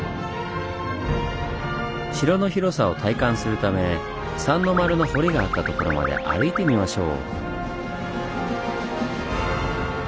城の広さを体感するため三ノ丸の堀があったところまで歩いてみましょう。